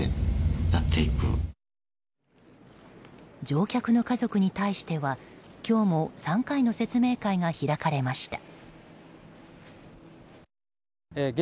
乗客の家族に対しては今日も３回の説明会が開かれました。